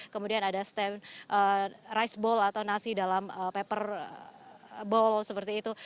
kemudian ada stand rice bowl atau nasi dalam paper bowl seperti itu